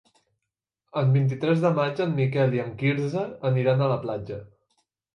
El vint-i-tres de maig en Miquel i en Quirze aniran a la platja.